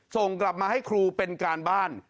ส่งกลับมาให้ครูเป็นการบ้าน